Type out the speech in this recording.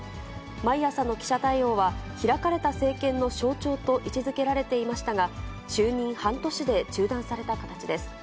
毎朝の記者対応は、開かれた政権の象徴と位置づけられていましたが、就任半年で中断された形です。